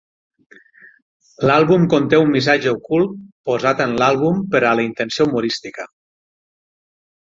L'àlbum conté un missatge ocult posat en l'àlbum per a la intenció humorística.